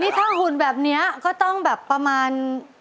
ถ้าหุ่นแบบนี้ก็ต้องแบบประมาณ